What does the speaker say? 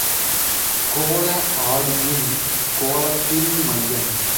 கோள ஆடியின் கோளத்தின் மையம்.